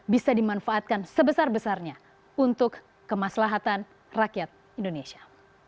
bisa dimanfaatkan sebesar besarnya untuk kemaslahatan rakyat indonesia